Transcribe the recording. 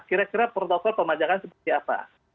kira kira protokol pemajakan seperti apa